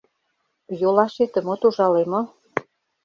Йолашетым от ужале мо?